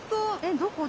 どこ？